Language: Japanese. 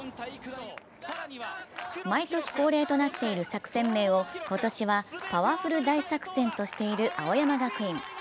毎年恒例となっている作戦名を今年は「パワフル大作戦」としている青山学院。